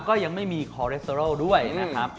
ก็ยังไม่มีคอเรสเตอรอลด้วยนะครับ